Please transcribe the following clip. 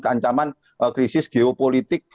ancaman krisis geopolitik